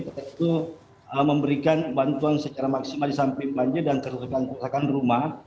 yaitu memberikan bantuan secara maksimal di samping banjir dan kerusakan rumah